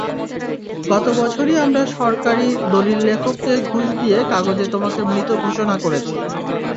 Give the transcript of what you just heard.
গত বছরই আমারা সরকারি দলীল লেখককে ঘুষ দিয়ে কাগজে তোমাকে মৃত ঘোষণা করেছি।